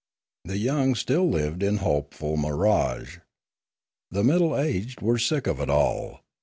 The young still lived in hopeful mirage. The middle aged were sick of it all.